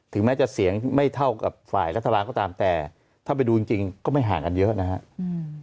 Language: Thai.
แม้จะเสียงไม่เท่ากับฝ่ายรัฐบาลก็ตามแต่ถ้าไปดูจริงก็ไม่ห่างกันเยอะนะครับ